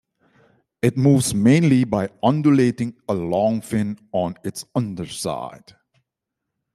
It moves mainly by undulating a long fin on its underside.